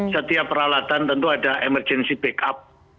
setiap peralatan tentu ada emergency backup